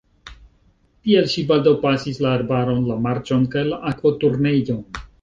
Tiel ŝi baldaŭ pasis la arbaron, la marĉon kaj la akvoturnejon.